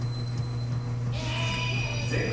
「全国！